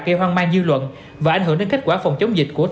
gây hoang mang dư luận và ảnh hưởng đến kết quả phòng chống dịch của tp hcm